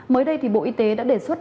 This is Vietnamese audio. mới đây thì bộ y tế đã đề xuất